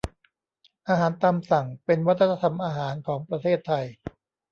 อาหารตามสั่ง เป็นวัฒนธรรมอาหารของประเทศไทย